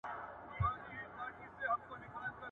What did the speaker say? • پور چي تر سلو تېر سي، وچه مه خوره.